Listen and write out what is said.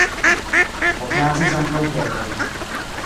Okazis ankaŭ perdoj.